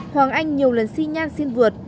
hoàng anh nhiều lần si nhan xin vượt